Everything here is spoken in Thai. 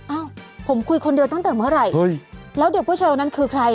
อ้าวผมคุยคนเดียวตั้งแต่เมื่อไหร่แล้วเด็กผู้ชายคนนั้นคือใคร